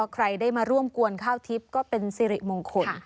ใครได้มาร่วมกวนข้าวทิพย์ก็เป็นสิริมงคล